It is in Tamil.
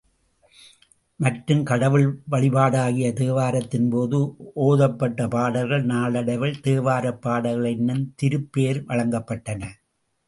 மற்றும், கடவுள் வழிபாடாகிய தேவாரத்தின்போது, ஓதப்பட்ட பாடல்கள் நாளடைவில் தேவாரப் பாடல்கள் என்னும் திருப்பெயர் வழங்கப்பட்டன.